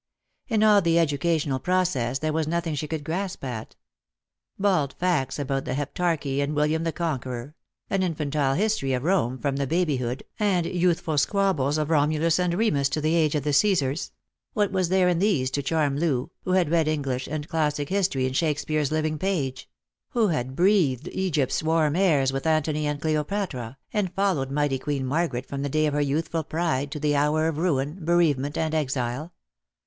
In all the educational process there was nothing she could grasp at. Bald facts about the Heptarchy and William the Conqueror — an infantile history of Rome from the babyhood and youthful squabbles of Romulus and Remus 182 Lost for Love. to the age of the Caesars — what was there in these to charm Loo, who had read English and classic history in Shakespeare's living page — who had breathed Egypt's warm airs with Antony and Cleopatra, and followed mighty Queen Margaret from the day of her youthful pride to the hour of ruin, bereavement, and exile